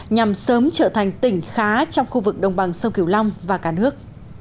nhằm sớm trở thành tỉnh khá trong khu vực đồng bằng sông kiều long và cả nước